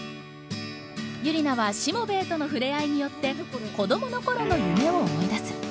ユリナはしもべえとの触れ合いによって子どもの頃の夢を思い出す。